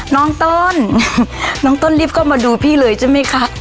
น้องต้นน้องต้นรีบเข้ามาดูพี่เลยใช่ไหมคะ